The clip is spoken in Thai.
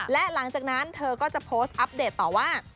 และหลังจากนั้นเธอก็จะโพสต์อัปเดตต่อว่า